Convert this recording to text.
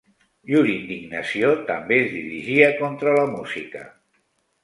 Llur indignació també es dirigia contra la música.